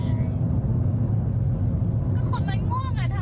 คือมันแช่ขวานานแล้ว